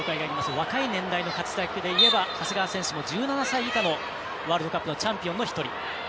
若い年代の活躍であれば長谷川選手もワールドカップのチャンピオンの１人。